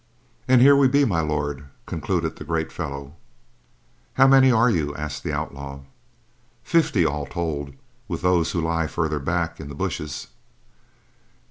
"And here we be, My Lord," concluded the great fellow. "How many are you?" asked the outlaw. "Fifty, all told, with those who lie farther back in the bushes."